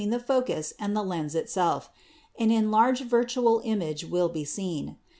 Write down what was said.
between the focus and the lens itself — an enlarged virtual image will be seen.